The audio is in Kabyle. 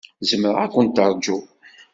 Zemreɣ ad kent-ṛjuɣ.